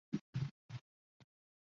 最后投奔杜弢。